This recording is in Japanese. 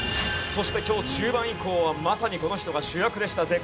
そして今日中盤以降はまさにこの人が主役でした。